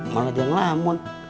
maret yang lamun